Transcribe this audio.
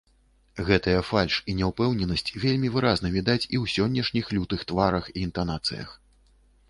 Гэтыя фальш і няўпэўненасць вельмі выразна відаць і ў сённяшніх лютых тварах і інтанацыях.